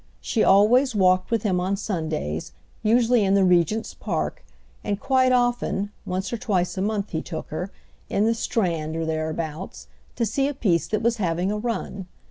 She always walked with him on Sundays, usually in the Regent's Park, and quite often, once or twice a month he took her, in the Strand or thereabouts, to see a piece that was having a run.